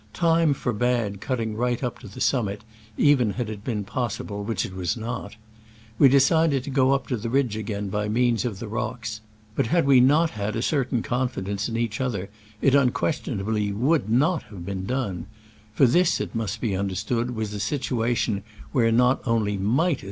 Time forbade cutting right up to the summit, even had it been possible, which it was not. We decided to go up to the ridge again by means of the rocks, but had we not had a certain confidence in each other, it unquestionably would not have been done ; for this, it must be understood, was a situation where not only might a.